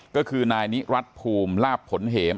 ก็คือนายนิรัติภูมิลาบผลเหม